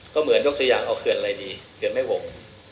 ก็เหมือนยกตัวอย่างเอาเขื่อนอะไรดีเขื่อนแม่หก